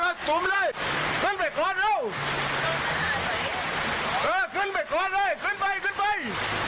ว้าขึ้นไปกร้อนด้วยขึ้นไป